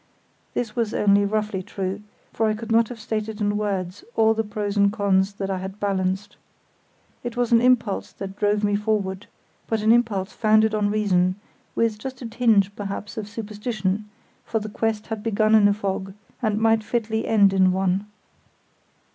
This was only roughly true, for I could not have stated in words all the pros and cons that I had balanced. It was an impulse that drove me forward; but an impulse founded on reason, with just a tinge, perhaps, of superstition; for the quest had begun in a fog and might fitly end in one.